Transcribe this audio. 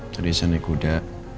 tadi saya naik kuda